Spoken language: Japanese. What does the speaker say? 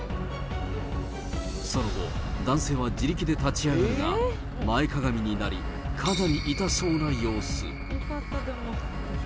その後、男性は自力で立ち上がるが、前かがみになり、かなり痛そうな様子。